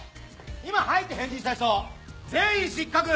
今「はい」って返事した人全員失格！